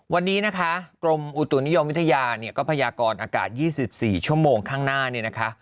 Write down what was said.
วันนี้กรมอุตุนิยมวิทยาภัยากรอากาศ๒๔ชั่วโมงข้างหน้า